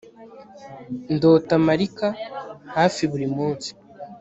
Ndota Marika hafi buri munsi